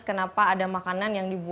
kenapa ada makanan yang dibuat